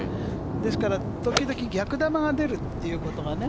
ですからときどき逆球が出るっていうことが。